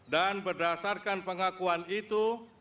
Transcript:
dan berdasarkan pengakuan itu